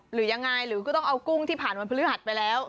หรือยังไงหรือก็ต้องเอากุ้งที่ผ่านวันพฤหัสไปแล้ว